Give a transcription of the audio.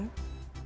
selamat malam ya